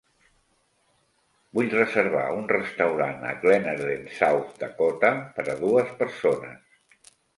Vull reservar un restaurant a Glenarden South Dakota per a dues persones.